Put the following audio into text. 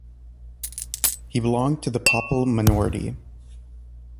He belonged to the Papel minority.